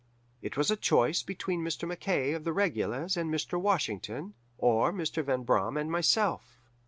It was a choice between Mr. Mackaye of the Regulars and Mr. Washington, or Mr. Van Braam and myself.